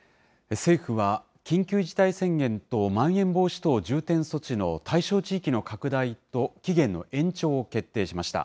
政府は緊急事態宣言とまん延防止等重点措置の対象地域の拡大と期限の延長を決定しました。